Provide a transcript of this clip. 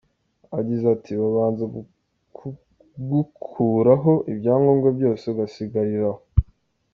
agize ati: “Babanza kugukuraho ibyangombwa byose ugasigarira aho”.